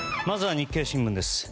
まずは日経新聞です。